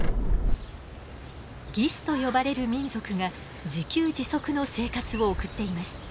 ギスと呼ばれる民族が自給自足の生活を送っています。